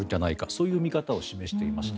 そういう見方を示しています。